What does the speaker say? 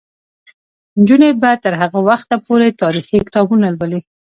نجونې به تر هغه وخته پورې تاریخي کتابونه لولي.